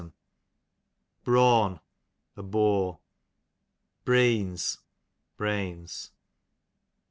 Brawn, a boar. Breans, brains.